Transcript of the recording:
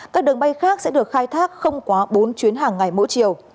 các đường bay khác sẽ được khai thác không quá bốn chuyến hàng ngày mỗi chiều